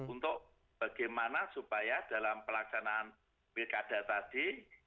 untuk bagaimana supaya dalam pelaksanaan pilkada tadi